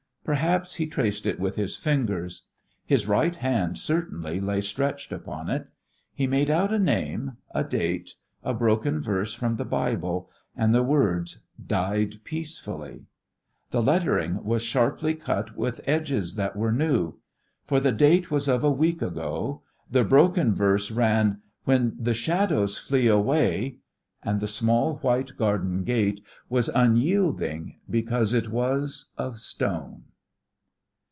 Perhaps he traced it with his fingers; his right hand certainly lay stretched upon it. He made out a name, a date, a broken verse from the Bible, and the words, "died peacefully." The lettering was sharply cut with edges that were new. For the date was of a week ago; the broken verse ran, "When the shadows flee away ..." and the small, white garden gate was unyielding because it was of stone.